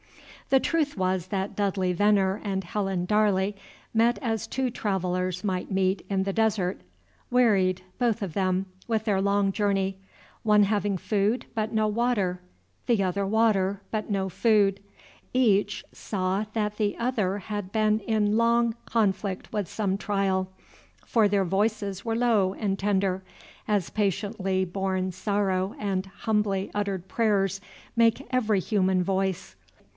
The truth was that Dudley Veneer and Helen Darley met as two travellers might meet in the desert, wearied, both of them, with their long journey, one having food, but no water, the other water, but no food. Each saw that the other had been in long conflict with some trial; for their voices were low and tender, as patiently borne sorrow and humbly uttered prayers make every human voice.